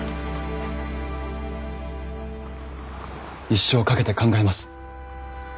一生かけて考えます。